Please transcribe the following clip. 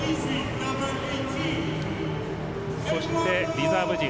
そしてリザーブ陣。